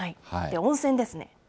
温泉ですね。